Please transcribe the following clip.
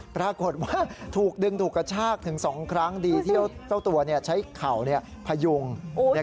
ปรากฏว่าถูกดึงถูกกระชากถึงสองครั้งดีเที่ยวเจ้าตัวเนี้ยใช้เข่าเนี้ยพยุงโอ้ย